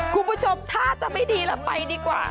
คุณผู้ชมถ้าจะไม่ดีแล้วไปดีกว่า